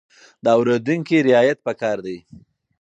د اورېدونکي رعايت پکار دی.